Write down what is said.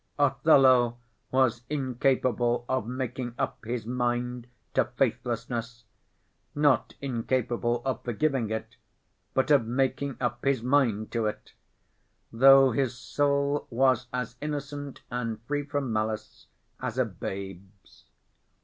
Othello was incapable of making up his mind to faithlessness—not incapable of forgiving it, but of making up his mind to it—though his soul was as innocent and free from malice as a babe's.